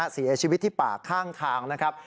เสียชีวิตที่ป่าข้างทางนะครับ